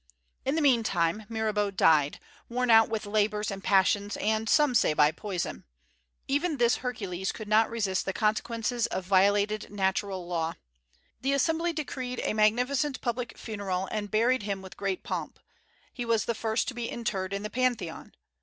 In the mean time Mirabeau died, worn out with labors and passions, and some say by poison. Even this Hercules could not resist the consequences of violated natural law. The Assembly decreed a magnificent public funeral, and buried him with great pomp. He was the first to be interred in the Pantheon.